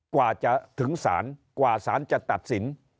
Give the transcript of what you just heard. กว่าจะถึงศาลกว่าสารจะตัดสิน